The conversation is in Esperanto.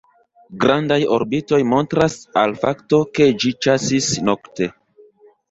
Grandaj orbitoj montras al fakto, ke ĝi ĉasis nokte.